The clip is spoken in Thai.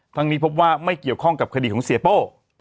นี้พบว่าไม่เกี่ยวข้องกับคดีของเสียโป้